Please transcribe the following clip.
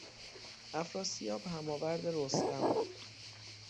افراسیاب هماورد رستم بود.